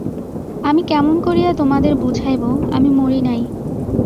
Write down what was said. আমি কেমন করিয়া তোমাদের বুঝাইব, আমি মরি নাই।